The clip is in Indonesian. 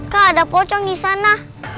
kak ada pocong di sana